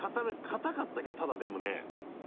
硬かったけどただでもね。